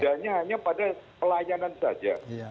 kan bedanya hanya pada pelayanan saja